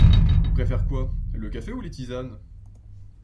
Il préfère quoi? Le café ou les tisanes ?